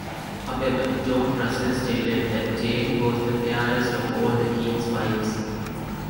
However, John Russell stated that Jane was the fairest of all the King's wives.